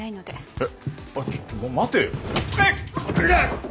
えっ！？